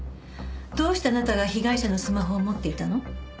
どうしてあなたが被害者のスマホを持っていたの？